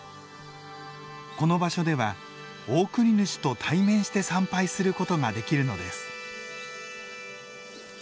この場所ではオオクニヌシと対面して参拝することができるのです。